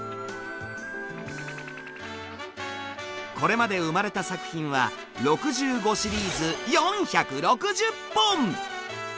これまで生まれた作品は６５シリーズ４６０本！